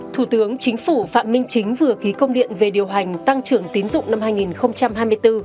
thủ tướng chính phủ phạm minh chính vừa ký công điện về điều hành tăng trưởng tín dụng năm hai nghìn hai mươi bốn